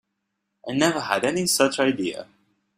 I never had any such idea.